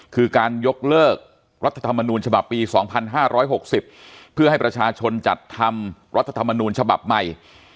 คือการยกเลิกรัฐธรรมนูญฉบับปี๒๕๖๐เพื่อให้ประชาชนจัดทำรัฐธรรมนูญฉบับใหม่